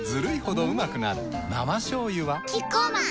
生しょうゆはキッコーマン